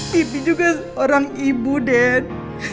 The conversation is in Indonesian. bibi juga seorang ibu den